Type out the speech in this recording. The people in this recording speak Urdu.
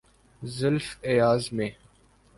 زلف ایاز میں۔